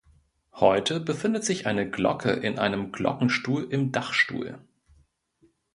Heute befindet sich eine Glocke in einem Glockenstuhl im Dachstuhl.